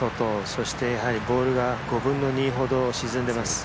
そしてボールが５分の２ほど沈んでいます。